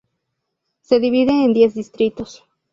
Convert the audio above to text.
Se divide en diez distritos.